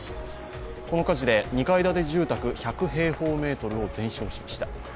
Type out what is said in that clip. この火事で２階建て住宅１００平方メートルを全焼しました。